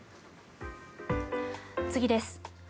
次です。